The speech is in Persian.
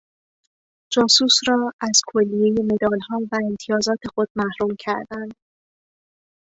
جاسوس را از کلیهی مدالها و امتیازات خود محروم کردند.